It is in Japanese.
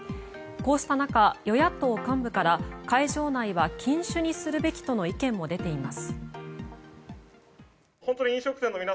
こうした中、与野党幹部から会場内は禁酒にするべきとの意見も出ています。